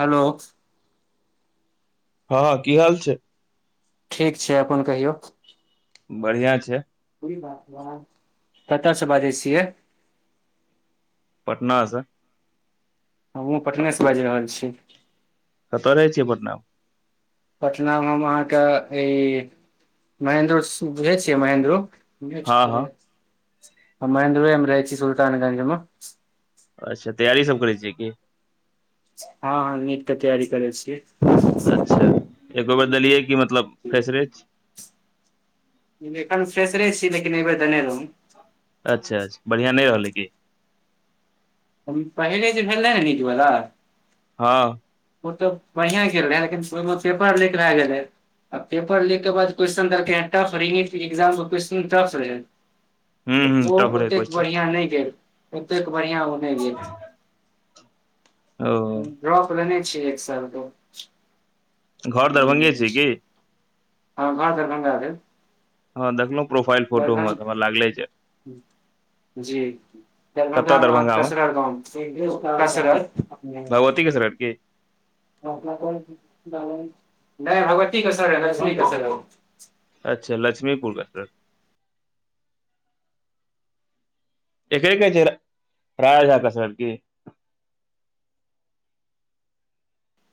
Hello हँ की हाल छै ठीक छै अपन कहियौ बढ़िया छै [unintelligible] कतऽ से बाजै छियै पटना स हमहुँ पटनेसँ बाजि रहल छी कतऽ रहै छियै पटना मऽ पटना मे हम अहाँके ई महेन्द्रो बुझै छियै महेन्द्रो हँ हँ [unintelligible] छी सुलतानगंज मे अच्छा तैयारी सब करै छी की हँ हँ नीट के तैयारी करै छियै अच्छा एगो बेर देलियै की मतलब फ्रेशरे छी एखन फ्रैशरे छी लेकिन ऐ बेर देने रहुं अच्छा अच्छा बढ़िआं नहि रहलै की पहिले जे भेलैह ने नीट बला हँ ओ तऽ बड़िया गेल रहे लेकिन ओहिमे पेपर लीक भए गेलै आ पेपर लिख के बाद क्वेशन त टफ [unintelligible] के एग्जाम क्वेस्न टफ रहे हूं हूं तऽ ओ टफ रहै ओतेक क्वेश्चन बढ़िआँ नहि गेल ओतेक बढ़िआँ ओ नहि गेल ओ ड्रॉप लेने छियै एक साल क घर दरभंगे छै की? हँ हं दरभंगा भेल। हँ देखलौं फोटो मे त दरभंग हमरा लागलै जे जी कतऽ दरभंगामे अहाँ दरभंगा मे कसरा गांव [unintelligible] रहत भगवती के सरक की नै भगवती [unintelligible] अच्छा लक्ष्मी पुर रहै एकरे कह छै रा राजा झा कसरत की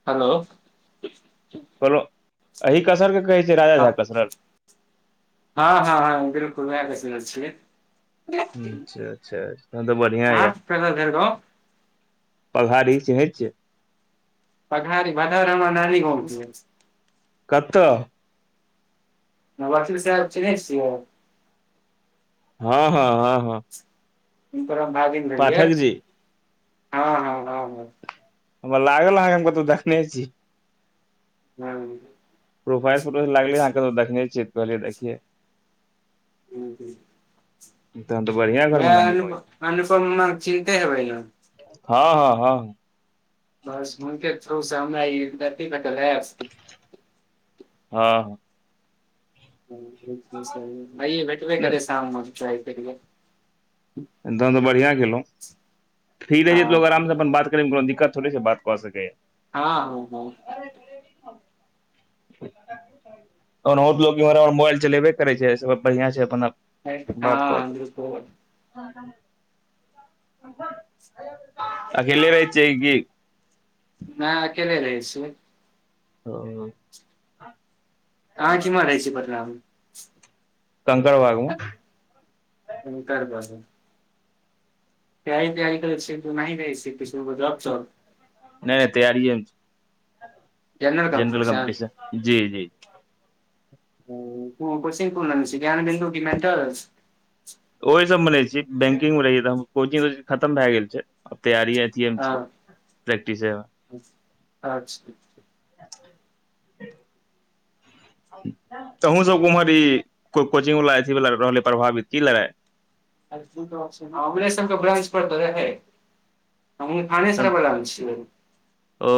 हेलो कहलौं एही कसर के कहै छै राजा हँ झा कसरत हँ हँ हँ बिलकुल वेहे कसरत छियै। अच्छा अच्छा तहन तऽ बढ़िआ अहाँ य कतऽ भेल गाँव पघाड़ी चहै छै पघारी भदौर हमर नानी गांव भेलै कतऽ नवाची साहेब चिन्है छियै हँ हँ हँ हँ इ परा बागन्द [unintelligible] रहललिय पाठक जी हँ हं हं हं हमरा लागल आहां हम कतौ देखने छी हूं प्रोफाइल फोटो लागले आहां कतउ देखने छियै तऽ कहलियै देखियै हू हू तहन तऽ बढ़ियां वेहे अनु अनुपमा चिन्ते हेबै न हँ हँ हँ बस हुनके थ्रू सऽ हमरा ई [unintelligible] भेटल हँ आइये भेटबे केलैय साम मे ट्राई केलियै तहन तऽ बढ़िया केलहुँ फी रहे हँ जे [unintelligible] कोनो दिक्कत थोड़े छै बात कऽ सकै य हँ हूं हूं तहन हुत लो इम्हरर मोबाइल चलेबे करै छै बढ़ियां छै अपन बात हँ कऽ कऽ [unintelligible] अकेले रहै छियै कि? हाँ अकेले रहै छियै। ओ आहिठमा रहै छी पटनामे। कंकड़बाग मे। कंकरबाग मे तैयारी वैयारी करय छिय कि जॉब चल नहि तैयरीये में छे जनरल कम्पटिशन जी जी ओ कोचिंग कोन लेने छिय ज्ञान बिन्दु मेंटलस? ओहि सब मे लेछी बैंकिंग मे रहिय त हम कोचिंग खतम भए गेल छै आब तैयारी छीये मे प्रैक्टिसे मे अच्छा [inaudible] तऽ हूंसब उम्हर ई कोई कोचिंग वाला अथी वाल रहले प्रभावित की लड़ाइ हमरे सबके ब्रांच पर त रहे हमहु खाने सार तुरंत? बला मे छियै ओ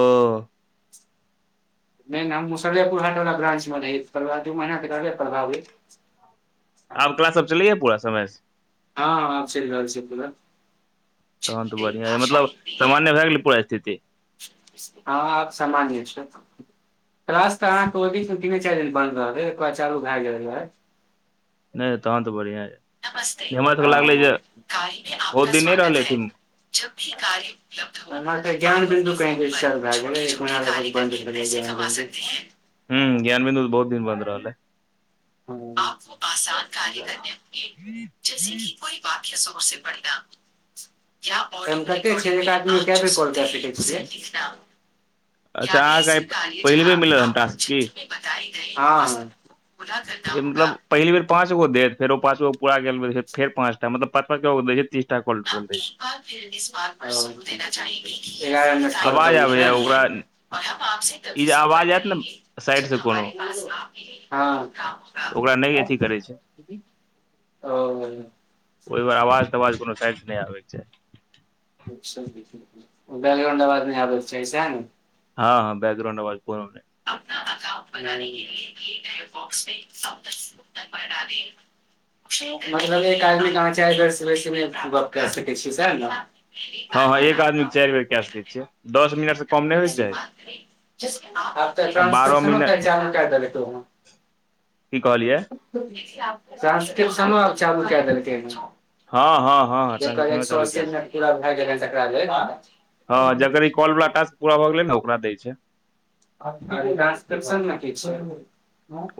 नहि हम मुसलरपुर हाट वला ब्राच मे नहि परभावित दू महीना त रहलै परभावित। आब क्लास सब चलिययए पूरा समय हँ आब चलि रहल छै पुरा तहन तऽ बढ़िआं अय मतलब सामान्य भए गेलै पूरा स्थिति हँ आब समानय छै क्लास तऽ अहाँके ओ मे तीने चारि दिन बन्द रहै एक बाद चालू भय गेल रहे। नहि तहन तऽ बढ़िआं यै नमस्ते कार्य मे बहुत आपका दिन नहि स्वागत रहलै अथी है जब भी कार्य अहाँ के ज्ञान बिन्दु कहि डिस्ट्रब भए गेलै एक महिना लग भग बन्द रहि गेल। हूँ ज्ञानबिन्दु बहुत दिन बन्द रहलय। आपको आसान कार्य करनेने जैस कि कोइ [unintelligible] बात सबससँ बढ़िआ [unintelligible] कत छै ऐक आदमी कैय बैर कॉल कैय सकैत छीये। [unintelligible] य अच्छा अहाँके आइ ऐसी क पहिल बेर जहाँ मिलल हन आपको टास्क की चित्र मे बताई गय [unintelligible] मतलब पहिल बेर पाँच गो देत फेर ओ पाँच गो पूरा फेर पाचटा मतलब पाँच गो तीस ल दै छै [inaudible] [inaudible] [unintelligible] फिर निस बार पर सुू देना चाही [unintelligible] एगारह मीड आवाज काँल आबैए ओकरा छैन ई जे आवाज आयत ने साइडसँ कोनो तऽ ओकरा [unintelligible] नहि अथी हँ [unintelligible] करै छै ओ [inaudible] ओहि दुआर आवाज तवाज कोनो साइड नहि आबै के चाही बैकग्राउंड आवाज नै आबा चाही सेहा नऽ हँ हँ बैकग्राउंड अवाज कोनो नहि। अप अक बनाने के ल बॉक्स मे्तर ब देे [unintelligible] मतलब एक आदमी के अहाँ चारि वेर बेसी नहि गप्प सकै छी सेहा न हँ हं एक आदमीे चारि बेर केऽ सकै छियै दस मिनट से कम नहि होइ छै त र ने त जानो क देै त ओनो [unintelligible] की कहलियै ट्रांसक्रिप्शनों आब चालू कय देलकै हँ हं हँ हँ जकर एक ट्रांजेक्शनो सो चालू अस्सी कए देबै मिनट पूरा भय गेलैहें तकरा लेल हँ जकर ई कॉल वला टास्क पूरा भऽ गेलै ने ओकरा दै छै ट्रांसक्रिप्शन मे की छै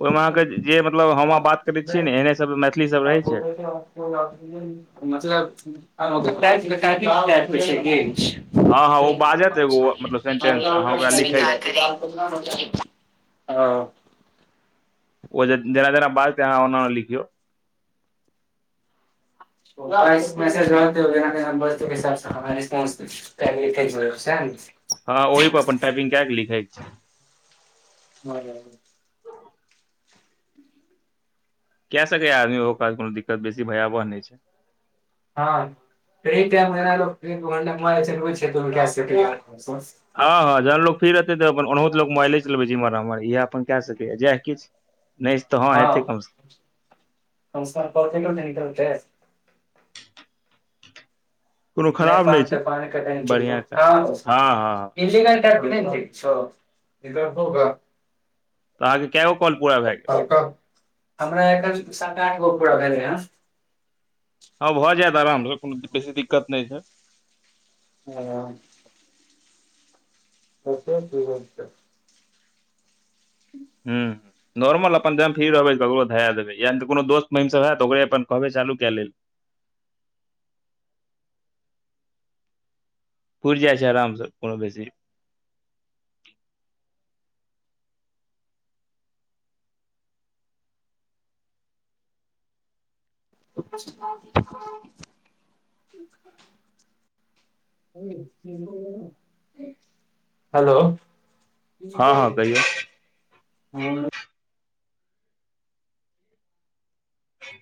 ओइमे अहाँके जे मतलब हम अहाँ बात करै छियै ने एहने सब मैथिली सब रहै छै मतलब घ पै ग हँ हँ ओ [unintelligible] बाजत एगो मतलब [inaudible] सेंटेंस अहाँ ओकरा लिखै [unintelligible] ह [inaudible] [unintelligible] ओ जे जेना जेना बाजत आहा ओना ओना लिखियौ ह हम रस्स [unintelligible] फैमिली क घ छै [inaudible] [unintelligible] हँ ओहि प अपन टाइपिंग कए क लिखैछ ह कए सकैया आदमी ओ काज कोनो दिक्कत बेसी भयावह नहि छै हँ रटा छैझ [unintelligible] हँ हँ जहन लोक फिर रहतै तऽ अपन ओनहतो लो मोबइले चलबै जम्हर उमहर इह अपन कए सकैए जए किछु नै हँ सं पत [unintelligible] कोनो नहि खराब पान तऽ छै पान क ह बढ़िआँ काज हँ हँ [unintelligible] छ [unintelligible] काज केऽगो काॅल पूरा भए गेल हमरा एखन सात आठ गो पूरा भेलैहन हँ भऽ जायत आराम से कोनो बेसी दिक्कत नहि छै ओ देखियौ की होय छै [inaudible] हूँ नॉर्मल अपन जखन फ्री रहबै तऽकरो धरा देबै यानि कोनो दोस्त महीम सभ हेऽतऽ ओकरे अपन कहबै चालू कए लेल पूरि जाइ छै आरामसँ कोनो बेसी [inaudible] हेलो कि हँ हो हँ कहियौ [unintelligible]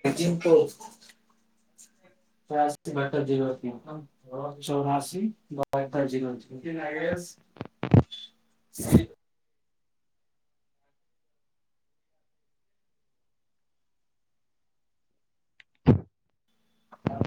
ट को [unintelligible] ती बर जरती चौराशी बर जरती [unintelligible] नति [unintelligible] न आगड़ज आ